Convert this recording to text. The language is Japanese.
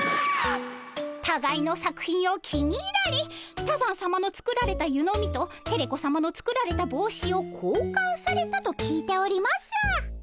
たがいの作品を気に入られ多山さまの作られた湯飲みとテレ子さまの作られた帽子を交換されたと聞いております。